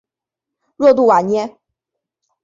若杜瓦涅。